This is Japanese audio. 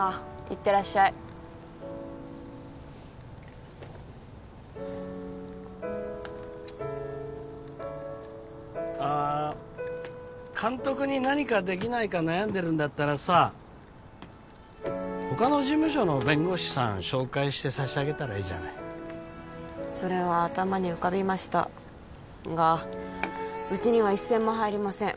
行ってらっしゃいあ監督に何かできないか悩んでるんだったらさほかの事務所の弁護士さん紹介して差し上げたらいいじゃないそれは頭に浮かびましたがうちには一銭も入りません